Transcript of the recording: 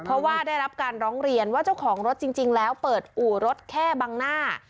เพราะว่าได้รับการร้องเรียนว่าเจ้าของรถจริงแล้วเปิดอู่รถแค่บังหน้า